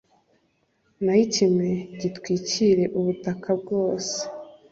naho ikime gitwikire ubutaka bwose